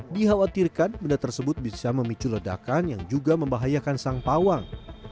dikhawatirkan benda tersebut bisa memicu ledakan yang juga membahayakan sang pawang